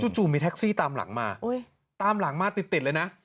จู่มีแท็กซี่ตามหลังมาตามหลังมาติดเลยนะ